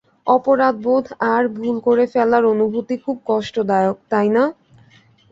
অপরাধবোধ আর, ভুল করে ফেলার অনুভূতি খুব কষ্টদায়ক, তাইনা?